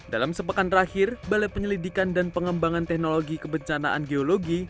dalam sepekan terakhir balai penyelidikan dan pengembangan teknologi kebencanaan geologi